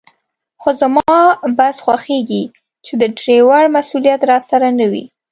خو زما بس خوښېږي چې د ډریور مسوولیت راسره نه وي.